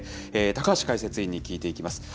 高橋解説委員に聞いていきます。